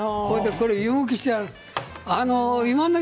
湯むきしてあるんです。